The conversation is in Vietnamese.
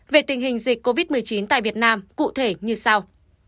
về tình hình dịch covid một mươi chín tại việt nam cụ thể như sau